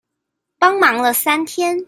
幫忙了三天